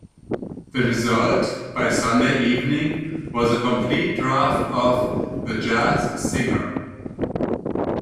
The result, by Sunday evening, was a complete draft of "The Jazz Singer".